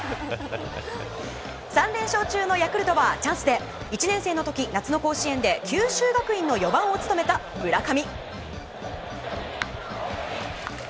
３連勝中のヤクルトはチャンスで１年生の時夏の甲子園で九州学院の４番を務めた村上。